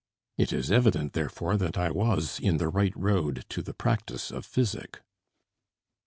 It is evident therefore that I was in the right road to the practise of physic.